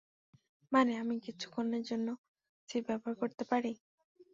বানি, আমি কিছুক্ষণের জন্য সিট ব্যবহার করতে পারি?